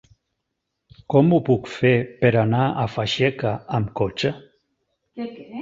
Com ho puc fer per anar a Fageca amb cotxe?